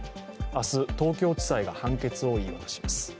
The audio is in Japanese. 明日、東京地裁が判決を言い渡します。